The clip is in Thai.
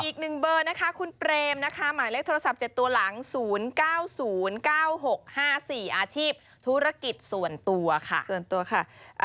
อีกหนึ่งเบอร์นะคะคุณเปรมนะคะหมายเลขโทรศัพท์๗ตัวหลัง๐๙๐๙๖๕๔อาชีพธุรกิจส่วนตัวค่ะส่วนตัวค่ะ